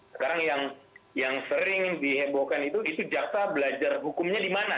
sekarang yang sering dihebohkan itu itu jaksa belajar hukumnya di mana